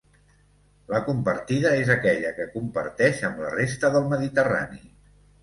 La compartida és aquella que comparteix amb la resta del mediterrani.